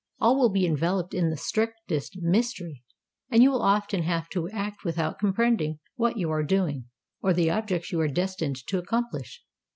All will be enveloped in the strictest mystery; and you will often have to act without comprehending what you are doing, or the objects you are destined to accomplish.